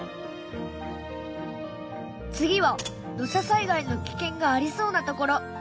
次は土砂災害の危険がありそうな所。